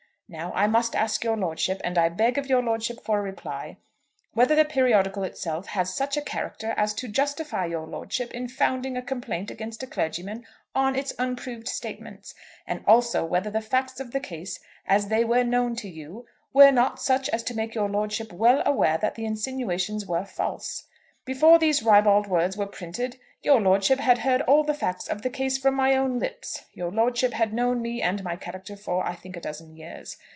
Now, I must ask your lordship, and I must beg of your lordship for a reply, whether the periodical itself has such a character as to justify your lordship in founding a complaint against a clergyman on its unproved statements, and also whether the facts of the case, as they were known to you, were not such as to make your lordship well aware that the insinuations were false. Before these ribald words were printed, your lordship had heard all the facts of the case from my own lips. Your lordship had known me and my character for, I think, a dozen years.